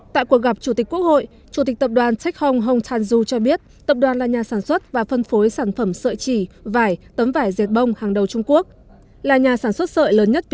tại cuộc gặp chủ tịch quốc hội chủ tịch tập đoàn tech hong hong tan du cho biết tập đoàn là nhà sản xuất và phân phối sản phẩm sợi chỉ vải tấm vải dệt bông hàng đầu trung quốc